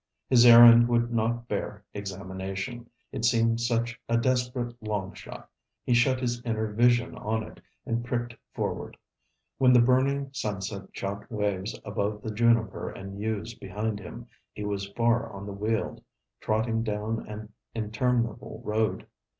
His errand would not bear examination, it seemed such a desperate long shot. He shut his inner vision on it, and pricked forward. When the burning sunset shot waves above the juniper and yews behind him, he was far on the weald, trotting down an interminable road.